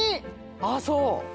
あっそう？